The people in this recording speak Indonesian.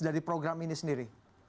dari program ini sendiri